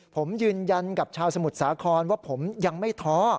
ผมยืนยันกับชาวสมุทรสาครว่าผมยังไม่ท้อ